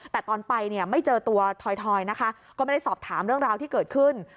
แต่ตอนไปเนี่ยไม่เจอตัวถอยนะคะก็ไม่ได้สอบถามเรื่องราวที่เกิดขึ้น